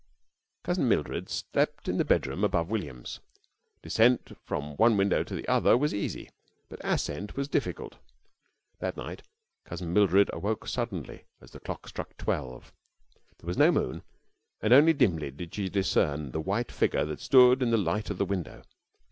Cousin Mildred slept in the bedroom above William's. Descent from one window to the other was easy, but ascent was difficult. That night Cousin Mildred awoke suddenly as the clock struck twelve. There was no moon, and only dimly did she discern the white figure that stood in the light of the window.